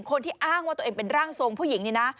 คนที่อ้างว่าตัวเองเป็นร่างทรงผู้หญิงนี่นะ